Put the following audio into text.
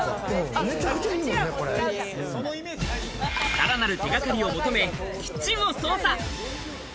さらなる手掛かりを求めキッチンを捜査。